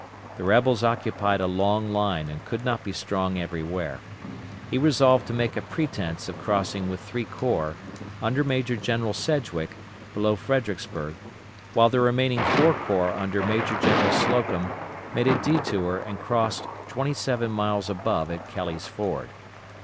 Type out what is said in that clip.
The rebels occupied a long line and could not be strong everywhere. He resolved to make a pretence of crossing with three corps, under Major General Sedgwick, below Fredericksburg, while the remaining four corps under Major General Slocum made a detour and crossed twenty seven miles above at Kelly's Ford.